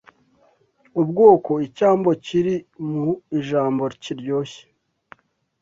Ubwoko Icyambo kiri mu ijambo kiryoshye